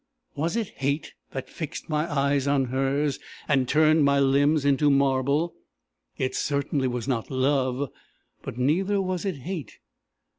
Was it hate that fixed my eyes on hers, and turned my limbs into marble? It certainly was not love, but neither was it hate.